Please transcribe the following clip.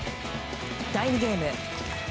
第２ゲーム。